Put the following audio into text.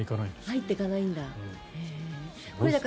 入っていかないんだ。